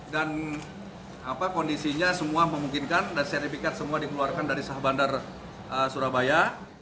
dan kondisinya semua memungkinkan dan seri pikat semua dikeluarkan dari sahabat bandar surabaya